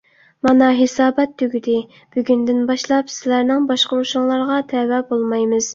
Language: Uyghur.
مانا، ھېسابات تۈگىدى. بۈگۈندىن باشلاپ سىلەرنىڭ باشقۇرۇشۇڭلارغا تەۋە بولمايمىز!